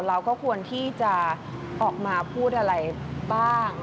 เราก็ควรที่จะออกมาพูดอะไรบ้าง